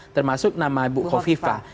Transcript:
termasuk nama bu khofifa